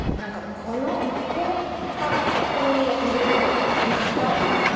ここからここに入れるとリフトアップになるとか。